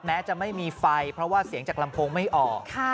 แม้จะไม่มีไฟเพราะว่าเสียงจากลำโพงไม่ออก